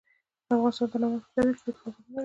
افغانستان د نمک د ترویج لپاره پروګرامونه لري.